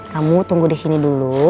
kamu tunggu di sini dulu